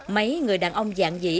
mấy người đàn ông dạng dĩ